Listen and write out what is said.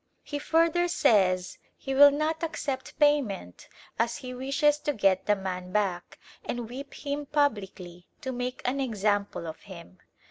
He further says he will not accept payment, as he wishes to get the man back and whip him publicly to make an example of him.